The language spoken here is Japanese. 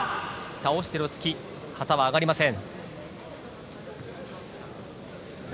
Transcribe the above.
倒しての突き旗は上がりません。